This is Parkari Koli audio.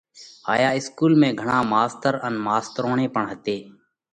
هائيا اِسڪُول ۾ گھڻا ماستر ان ماستروڻي پڻ هتي۔